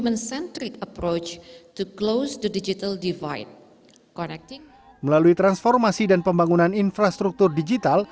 melalui transformasi dan pembangunan infrastruktur digital